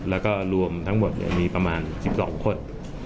แล้วก็รวมทั้งหมดมีประมาณ๑๒คน